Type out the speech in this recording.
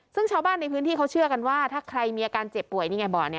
ซึ่งชาวบ้านในพื้นที่เขาเชื่อกันว่าถ้าใครมีอาการเจ็บป่วยนี่ไงบ่อนี้